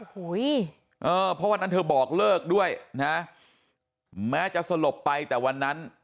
เพราะวันนั้นเธอบอกเลิกด้วยนะแม้จะสลบไปแต่วันนั้น